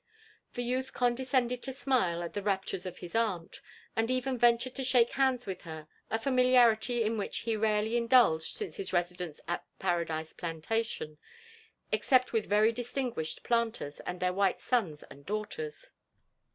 The youth condescended to smile at the raptures of his aant, and even ventured to shake hands with her ; a familiarity in which he rarely indulged since his residence at Paradise Plantation, except with yery distinguished planters, and their while sons and daughters.